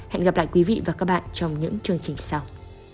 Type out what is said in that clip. hẹn gặp lại quý vị và các bạn trong những chương trình sau